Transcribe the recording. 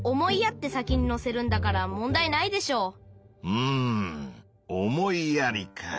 うん「思いやり」か。